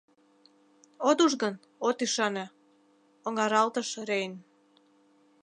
— От уж гын — от ӱшане, — оҥаралтыш Рейн.